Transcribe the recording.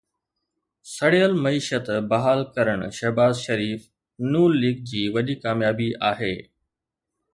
سڙيل معيشت بحال ڪرڻ شهباز شريف ن ليگ جي وڏي ڪاميابي آهي